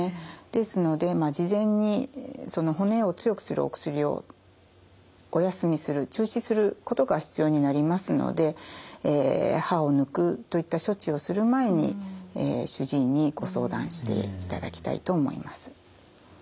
ですので事前に骨を強くするお薬をお休みする中止することが必要になりますので歯を抜くといった処置をする前に主治医にご相談していただきたいと思います。